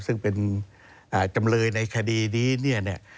ซึ่งเป็นจำเลยในคดีนี้เนี่ย